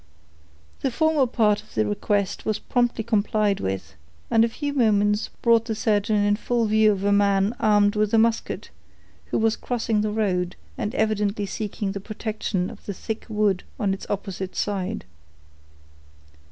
The former part of the request was promptly complied with, and a few moments brought the surgeon in full view of a man armed with a musket, who was crossing the road, and evidently seeking the protection of the thick wood on its opposite side.